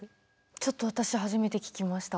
ちょっと私初めて聞きました。